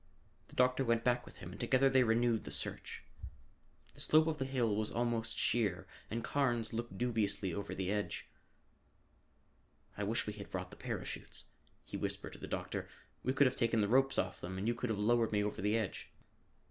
The doctor went back with him and together they renewed the search. The slope of the hill was almost sheer and Carnes looked dubiously over the edge. "I wish we had brought the parachutes," he whispered to the doctor. "We could have taken the ropes off them and you could have lowered me over the edge."